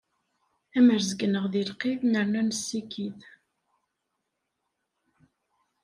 Am rrezg-nneɣ di lqid, nerna nessikid.